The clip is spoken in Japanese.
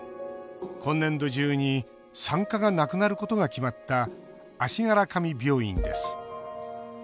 今年度中に産科がなくなることが決まった足柄上病院です。